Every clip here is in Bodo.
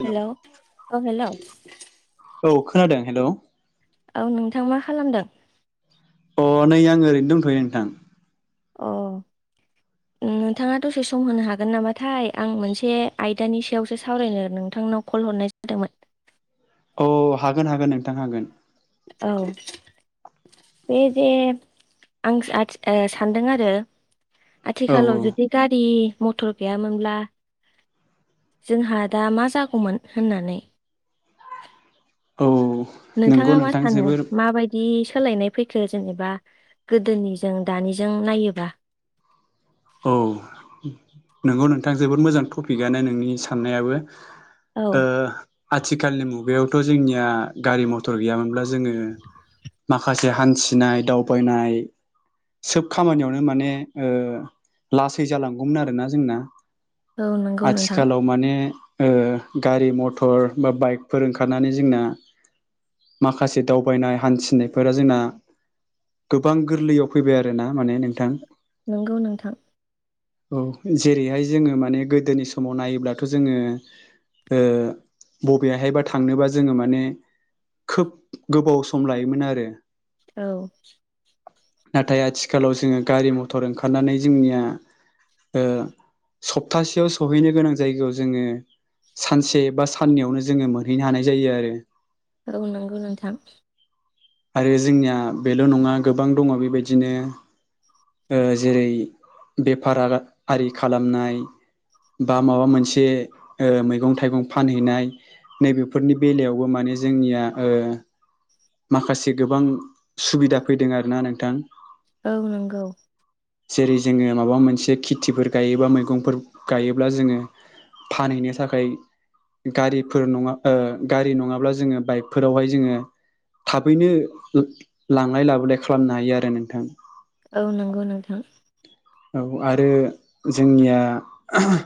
हेलौ हेल' औ हेल'। औ खोनादों हेल'? औ नोंथां मा खालामदों? अ नै आङो ओरैनो दंथ'यो नोंथां। अ उम। नोंथाङा दसे सम होनो हागोन नामाथाय आं मोनसे आयदानि सायावसो सावरायनो नोंथांनाव कल हरनाय जादोंमोन। औ हागोन हागोन नोंथां हागोन। औ। बे जे आं सो-आज ओ सानदों आरो औ आथिखालाव जुदि गारि मथर गैयामोनब्ला जोंहा दा मा जागौमोन होननानै। औ नंगौ नोंथाङा मा नोंथां सानो जोबोर माबायदि सोलायनाय फैखो जेनेबा गोदोनिजों दानिजों नायोबा? औ नोंगौ नोंथां जोबोद मोजां टपिकआनो नोंनि साननायाबो। औ ओ आथिखालनि मुगायावथ' जोंनिया गारि मथर गैयामोनब्ला जोङो माखासे हान्थिनाय दावबायनाय सोब खामानियावनो माने ओ लासै जालांगौमोन आरोना जोंना औ नंगौ नोंथां आथिखालाव माने ओ गारि मटर बा बाइकफोर ओंखारनानै जोंना माखासे दावबायनाय हान्थिनायफोरा जोंना गोबां गोरलैयाव फैबाय आरो ना माने नोंथां। नोंगौ नोंथां। औ जेरैहाय जोङो माने गोदोनि समाव नायोब्लाथ' जोङो ओ बबेयाहायबा थांनोबा जोङो माने खोब गोबाव सम लायोमोन आरो। औ। नाथाय आथिखालाव जोङो गारि मथर ओंखारनानै जोंनिया ओ सप्तासेयाव सहैनो गोनां जायगायाव जोङो सानसे बा साननैयावनो जोङो मोनहैनो हानाय जायो आरो। औ नोंगौ नोंथां। आरो जोंनिया बेल' नङा गोबां दङ' बेबायदिनो ओ जेरै बेफार आरा आरि खालामनाय बा माबा मोनसे ओ मैगं थाइगं फानहैनाय, नैबेफोरनि बेलायावबो माने जोंनिया ओ माखासे गोबां सुबिदा फैदों आरोना नोंथां। औ नंगौ जेरै जोङो माबा मोनसे खेथिफोर गायोबा मैगंफोर गायोब्ला जोङो फानहैनो थाखाय गारिफोर नङा ओ गारि नङाब्ला जोङो बाइकफोरावहाय जोङो थाबैनो लांलाय लाबोलाय खालामनो हायो आरो नोंथां। औ नंगौ नोंथां। औ आरो जोंनिया। आ हा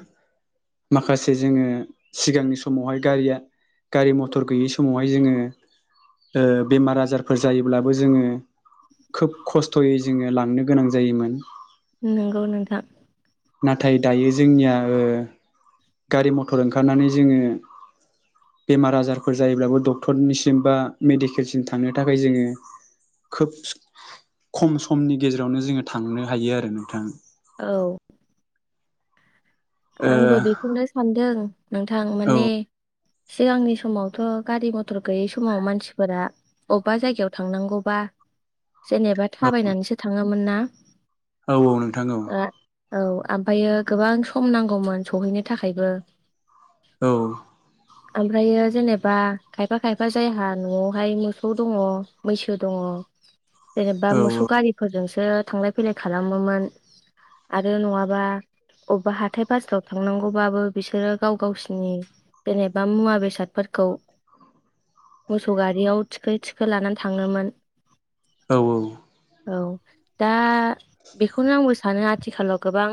माखासे जोङो सिगांनि समावहाय गारिया। गारि मथर गैयि समावहाय जोङो। ओ बेमार आजारफोर जायोब्लाबो जोङो। खोब खस्थ'यै जोङो लांनो गोनां जायोमोन। नंगौ नोंथां। नाथाय दायो जोंनिया ओ गारि मथर ओंखारनानै जोङो। बेमार आजारफोर जायोब्लाबो डक्टरनिसिम बा मेडिकेलसिम थांनो थाखाय जोङो। खोब खम समनि गेजेरावनो जोङो थांनो हायो आरो नोंथां। औ। ओ आंबो बेखौनो सानदों नोंथां औ माने। सिगांनि समावथ' गारि मथर गैयै समाव मानसिफोरा। अबेबा जायगायाव थांनांगौबा जेनेबा थाबायनानैसो थाङोमोन ना। औ- औ- नोंथां औ। औ ओमफ्रायो गोबां सम नांगौमोन सहैनो थाखायबो। औ। ओमफ्रायो जेनेबा खायफा खायफा जायहा न'आवहाय मोसौ दङ मैसो दङ। जेनेबा मोसौ गारिफोरजोंसो थांलाय फैलाय खालामोमोन आरो नङाबा अबेबा हा। हाथाइ बाजाराव थांनांगौबाबो बिसोरो गाव गावसिनि जेनेबा मुवा बेसादफोरखौ। मोसौ गारियाव थिखो थिखो लानानै थाङोमोन‌ औ- औ-। औ दा बेखौनो आंबो सानो आथिखालाव गोबां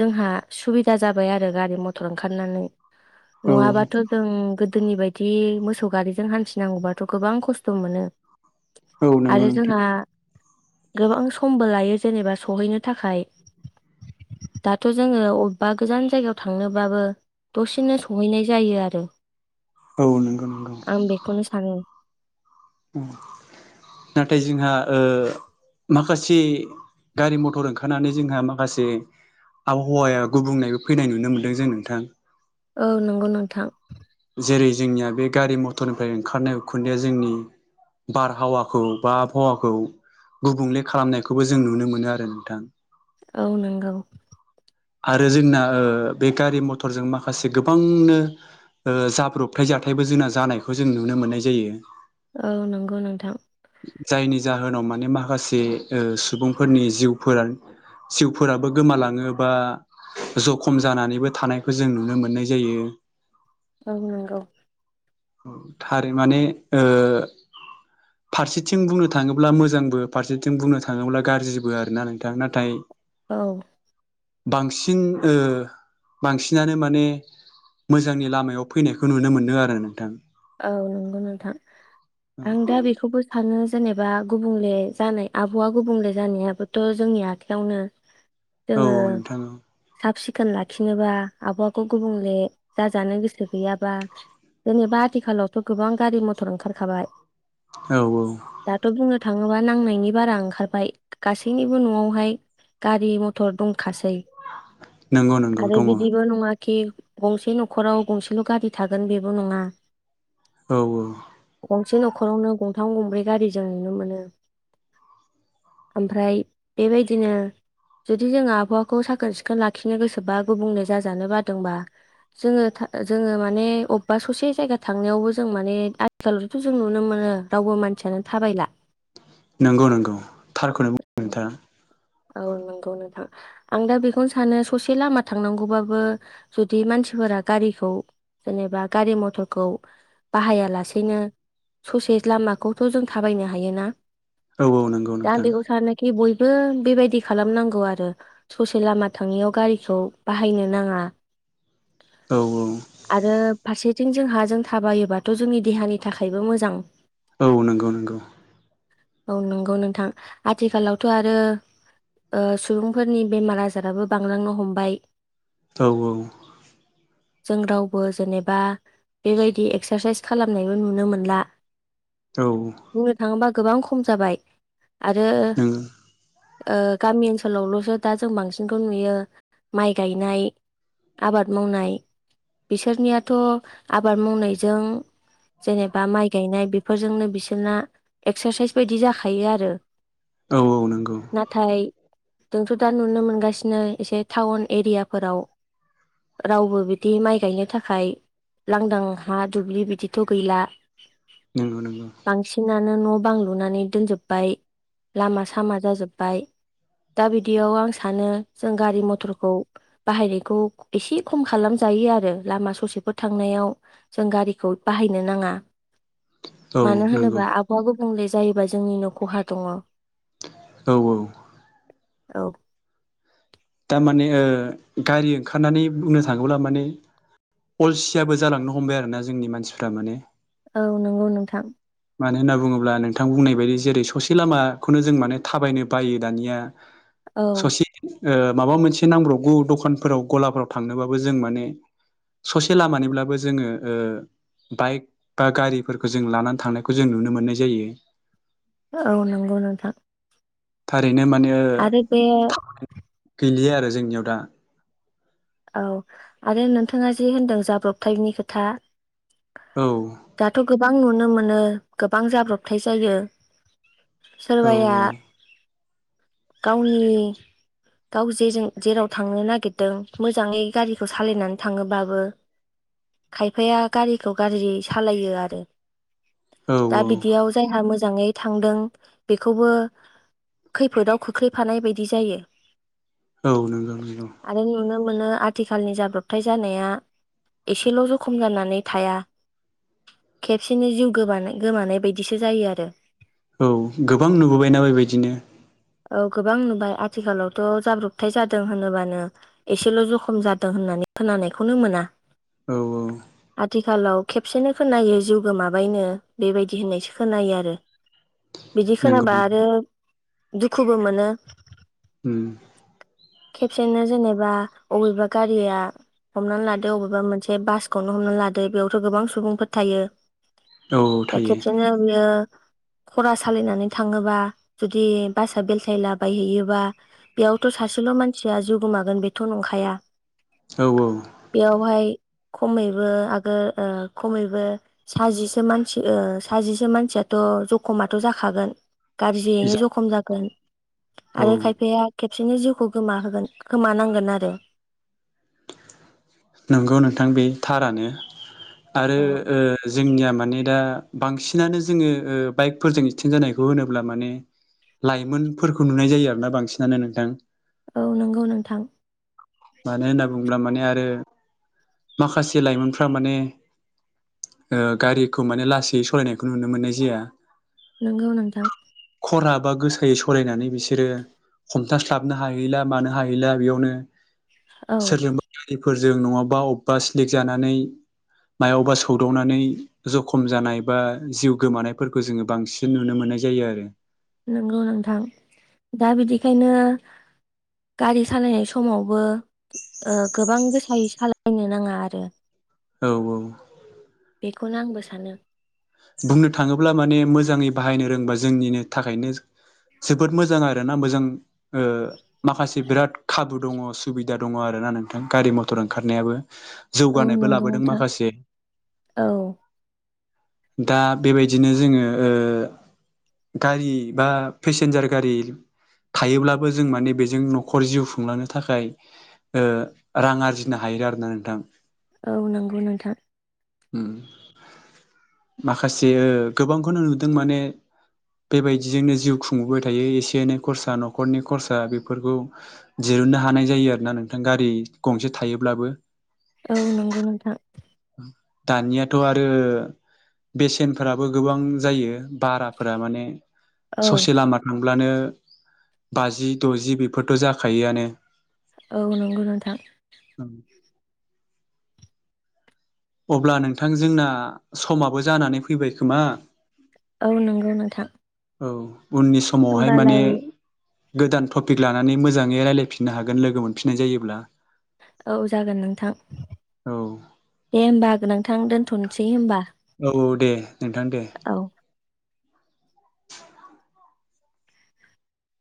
जोंहा। सुबिदा जाबाय आरो गारि मथर ओंखारनानै औ नङाबाथ' जों गोद। गोदोनि बायदि मोसौ गारिजों हान्थिनांगौबाथ' गोबां खस्थ' मोनो। औ नंगौ आरो नोंथां जोंहा। गोबां समबो लायो जेनेबा सहैनो थाखाय दाथ' जोङो। बबेबा गोजान जायगायाव थांनोबाबो दसेनो संहैनाय जायो आरो। औ नंगौ नंगौ आं बेखौनो सानो। नाथाय जोंहा ओ। माखासे गारि मथर ओंखारनानै जोंहा माखासे। आबहावाया गुबुंनायबो फैनाय नुनो मोन्दों जों नोंथां‌। औ नंगौ नोंथां जेरै जोंनिया बे गारि मथरनिफ्राय ओंखारनाय उखुन्दैया जोंनि। बारहावाखौ बा आबहावाखौ। गुबुंले खालामनायखौबो जों नुनो मोनो आरो नोंथां। औ नंगौ। आरो जोंना ओ बे गारि मथरजों माखासे गोबांनो। ओ जाब्रबथाय जाथायबो जोंना जानायखौ जों नुनो मोननाय जायो। औ नंगौ नोंथां। जायनि जाहोनाव माने माखासे ओ सुबुंफोरनि जिउफोर। सिउफोराबो गोमालाङो। बा जखम जानानैबो थानायखौ जों नुनो मोननाय जायो। औ नंगौ। औ थारै माने ओ। फारसेथिं बुंनो थाङोब्ला मोजांबो फारसेथिं बुंनो थाङोब्ला गाज्रिबो आरो ना नोंथां नाथाय‌। औ। बांसिन ओ बांसिनानो माने। मोजांनि लामायाव फैनायखौ नुनो मोनदों आरो नोंथां। औ नंगौ नोंथां आं दा बेखौबो सानो जेनेबा गुबुंले जानाय आब'आ गुबुंले जानायाबोथ' जोंनि आखायावनो औ जोङो नोंथां साब सिखो खोन लाखिनोबा आबहावाखौ गुबुंले जाजानो गोसो गैयाबा जेनेबा आथिखालावथ गोबां गारि मथर ओंखारखाबाय औ औ दाथ' बुंनो थाङोबा नांनायनि बारा ओंखारबाय गासैनिबो नआवहाय गारि मथर दं खासै नंगौ नंगौ आरो दङ बिदिबो नङा खि गंसे नखराव गंसेल गारि थागोन बेबो नङा। औ औ गंसे नखरावनो गंथाम गंब्रै गारि जों नुनो मोनो। ओमफ्राय बेबायदिनो जुदि जोङो आबहावाखौ साखोन सिखोन लाखिनो गोसोबा गुबुंले जाजानो बादोंब्ला जोङो जोङो माने अबेबा ससे जायगा थांनायावबो जों माने आथिखालावथ जों नुनो मोनो रावबो मानसियानो थाबायला नंगौ नंगौ थारखौनो बुंदों नोंथाङा औ नंगौ नोंथां आं दा बेखौनो सानो ससे लामा थांनांगौबाबो जुदि मानसिफोरा गारि खौ जेनेबा गारि मथर खौ बाहाया लासेनो ससे लामाखौथ जों थाबायनो हायोना? औ औ नंगौ दा आं नोंथां बेखौ सानोनाखि बय बो बेबायदि खालामनांगौ आरो ससे लामा थाङनायाव गारिखौ बाहायनो नाङा औ आरो फारसेथिं जोंहा जों थाबायोबाथ जोंनि देहानि थाखायबो मोजां औ नंगौ नंगौ औ नंगौ नोंथां आथिखालावथ आरो ओ सुबुंफोरनि बेमार आजाराबो बांलांनो हमबाय औ औ जों रावबो जेनेबा बेबायदि एक्सारसाइस खालामनायबो नुनो मोनला औ बुंनो थाङोबा गोबां खम जाबाय आरो नों ओ गामि ओनसोलावलसो दा जों बांसिनखौ नुयो माइ गायनाय आबाद मावनाय बिसोरनियाथ आबाद मावनायजों जेनेबा माइ गायनाय बेफोरजोंनो बिसोरना एक्सारसाइस बायदि जाखायो आरो औ औ नंगौ नाथाय जोंथ दा नुनो मोनगासिनो एसे टाउन एरियाफोराव रावबो बिदि माइ गायनो थाखाय लांदां हा दुब्लि बिदिथ गैला नंगौ नंगौ बिदिनो न बां लुनानै दोनजोबबाय लामा सामा जाजोबबाय दा बिदियाव आं सानो जों गारि मथरखौ बाहायनायखौ एसे खम खालाम जायो आरो लामा ससेफोर थांनायाव जों गारिखौ बाहायनो नाङा औ मानो नंगौ होनोबा आबहावखौ गुबुंले जायोबा जोंनिनो खहा दङ। औ औ औ दा माने ओ गारि ओंखारनानै बुंनो थाङोब्ला माने अलसियाबो जालांनो हमबाय आरो ना जोंनि मानसिफ्रा माने औ नंगौ नोंथां मानो होनना बुङोब्ला नोंथां बुंनाय बायदि जेरै ससे लामाखौनो जों माने थाबायनो बायो दानिया औ ससि ओ माबा मोनसे नांब्रबगौ दखानफोराव गलाफ्राव थांनोबाबो जों माने ससे लामानिब्लाबो जोङो ओ बाइक बा गारिफोरखो जों लानानै थांनायखौ जों नुनो मोननाय जायो। औ नंगौ नोंथां । ओरैनो माने ओ गैलिया आरो जोंनियाव दा । औ आरो नोंथाङा जे होनदों जाब्रबथायनि खोथा औ दाथ' गोबां नुनो मोनो गोबां जाब्रबथाय जायो । औ सोरबाया गावनि गाव जेजों जेराव थांनो नागिरदों मोजाङै गारिखौ सालायनानै थाङोबाबो खायफाया गारिखौ गाज्रि सालायो आरो। औ दा बिदियाव जायहा मोजाङै थांदों बेखौबो खैफोदाव खोख्लैफानाय बायदि जायो। औ नोंगौ नोंगौ। आरो नुनो मोनो आथिखालनि जाब्रबथाय जानाया एसेल' जखम जानानै थाया । खेबसेनो जिउ गोबानाय गोमानाय बायदिसो जायो आरो। औ गोबां नुबोबायना बेबायदिनो । औ गोबां नुबाय आथिखालावथ' जाब्रबथाय जादों होनोबानो एसेल' जखम जादों होननानै खोनानायखौनो मोना। औ औ। खालाव खेबसेनो खोनायो जिउ गोमाबायनो बेबायदि होननायसो खोनायो आरो। बिदि नंगौ खोनाबा आरो दुखुबो मोनो । ओम । खेबसेनो जेनेबा अबेबा गारिया हमनानै लादो अबेबा मोनसे बासखौनो हमना लादो बेयावथ' गोबां सुबुंफोर थायो। औ दा थायो खेबसेनो बेयो खरा सालायनानै थाङोबा जुदि बासा बेलथायलाबायहैयोबा बेयावथ' सासेल' मानसिया जिउ गोमागोन बेथ' नंखाया औ बेयावहाय खमैबो आगो ओ खमैबो साजिसे मानसि ओ साजिसे मानसियाथ' अ जखमाथ' जाखागोन गारजियैनो जा जखम जागोन औ आरो खायफाया खेब सेनो जिउखौ गोमाहोगोन खोमानांगोन आरो । नोंगौ नोंथां बे थारानो आरो औ ओ जोंनिया मा ने दा बांसिनानो जोङो ओ बाइकफोरजों एक्सिडेन्ट जानायखौ होनोब्ला माने लाइमोनफोरखौ नुनाय जायो आरोना बांसिनानो नोंथां। औ नंगौ नोंथां। मानो होनना बुङोब्ला माने आरो माखासे लाइमोनफ्रा माने ओ गारिखौ माने लासै सलायनायखौ नुनो मोननाय जाया । नोंगौ नोंथां। खरा बा गोसायै सलायनानै बिसोरो हमथास्लाबनो हाहैला मानो हाहैला बियावनो औ। फोरजों नङाबा अब्बा स्लिक जानानै मायावबा सौदावनानै जखम जानाय बा जिउ गोमानायफोरखौ जोङो बांसिन नुनो मोन नाय जायो आरो। नोंगौ नोंथां। दा बिदिखायनो गारि सालायनाय समावबो ओ गोबां गोसायै सालायनो नाङा आरो। औ औ। बेखौनो आंबो सानो। बुंनो थाङोब्ला माने मोजाङै बाहायनो रोंबा जोंनिनो थाखायनो जोबोद मोजां आरो ना मोजां ओ माखासे बिराद खाबु दङ सुबिदा दङ आरो ना नोंथां गारि मथर ओंखारनायाबो । औ जौगानायबो नंगौ लाबोदों नोंथां माखासे । औ दा बेबायदिनो जोङो ओ गारि बा फेसेन्जार गारि थायोब्लाबो जों माने बेजों न'खर जिउ खुंलांनो थाखाय ओ रां आरजिनो हायो आरोना नोंथां। औ नोंगौ नोंथां। उम माखासे गोबांखौनो नुदों माने बेबायदिजोंनो जिउ खुंबोबाय थायो एसे एनै खरसा न'खरनि खरसा बेफोरखौ जे दिरुननो हानाय जायो आरोना नोंथां गारि गंसे थायोब्लाबो। औ नोंगौ नोंथां। दानियाथ' आरो बेसेनफोराबो गोबां जायो बाराफोरा माने औ ससे लामा थांब्लानो बाजि द'जि बेफोरथ' जाखायोआनो। औ नोंगौ नोंथां। अब्ला नोंथां जोंना समाबो जानानै फैबाय खोमा? औ नोंगौ नोंथां। औ उननि समावहाय माने होमबालाय गोदान टपिक लानानै मोजाङै रायलायफिननो हागोन लोगो मोनफिननाय जायोब्ला औ जागोन नोंथां। दे औ होमबा नोंथां दोन्थ'नोसै होमबा। औ औ दे नोंथां दे। औ